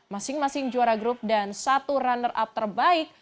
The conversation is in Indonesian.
masing masing juara grup dan satu runner up terbaik